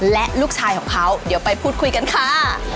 และลูกชายของเขาเดี๋ยวไปพูดคุยกันค่ะ